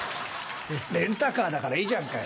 レンタカーだからいいじゃんかよ。